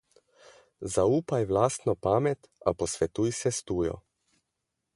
Zaupaj v lastno pamet, a posvetuj se s tujo.